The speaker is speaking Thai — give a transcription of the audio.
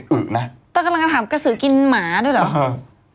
แต่กำลังถามกระสือกินหมาด้วยเหรอ